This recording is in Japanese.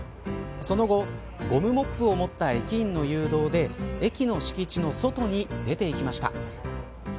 その後、ゴムモップを持った駅員の誘導で駅の敷地の外に出ていきました。